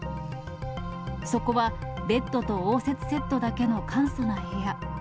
そこはベッドと応接セットだけの簡素な部屋。